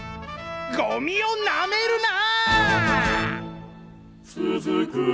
ゴミをなめるな！